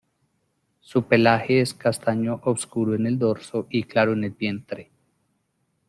Su pelaje es castaño obscuro en el dorso y claro en el vientre.